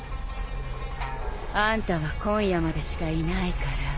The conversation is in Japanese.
あんたは今夜までしかいないから。